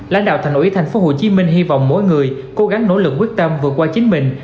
lãnh đạo thành ủy tp hcm hy vọng mỗi người cố gắng nỗ lực quyết tâm vượt qua chính mình